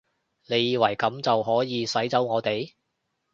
你以為噉就可以使走我哋？